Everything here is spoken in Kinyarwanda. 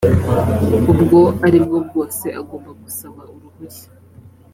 ubwo ari bwo bwose agomba gusaba uruhushya